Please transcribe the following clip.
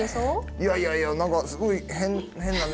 いやいやいや何かすごい変変なね